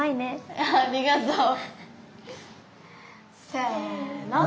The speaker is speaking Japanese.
せの。